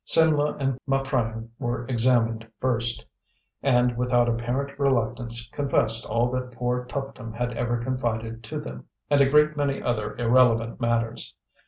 Simlah and Maprang were examined first, and, without apparent reluctance, confessed all that poor Tuptim had ever confided to them, and a great many other irrelevant matters.